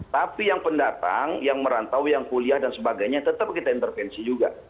tapi yang pendatang yang merantau yang kuliah dan sebagainya tetap kita intervensi juga